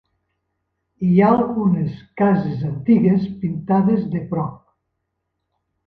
Hi ha algunes cases antigues pintades de prop.